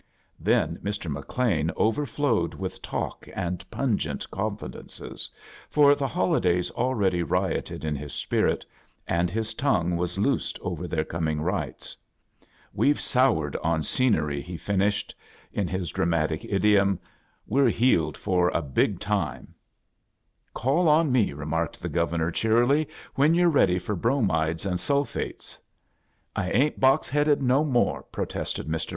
iThen Mr. IBbLean overflowed with talk and portent confidences, for the holi days already rioted in his spirit, and his tongue was loosed over their coming rites. Ve've soured on scenery," he finished. ~^y^ >o y A JOURNEY IN SEARCH OF CHRISTHAS in his drastic idiom. " We're heeled for a big time.'' " Call on me," remarked the Governor, cheerily* " vbea you're ready for bromides and sulphates." " I ain't box headed no txmte," protested Hr.